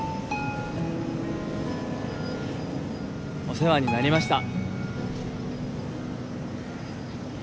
お世話になりました！